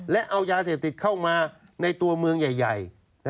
และเอายาเสพติดเข้ามาในตัวเมืองใหญ่